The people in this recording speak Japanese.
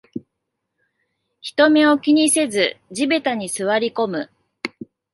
人目を気にせず地べたに座りこむ